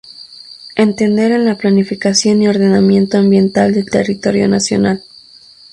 Entender en la planificación y ordenamiento ambiental del territorio nacional.